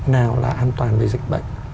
nào là an toàn với dịch bệnh